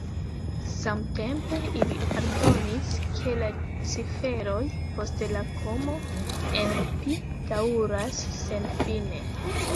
Samtempe, ili aldonis, ke la ciferoj post la komo en pi daŭras senfine.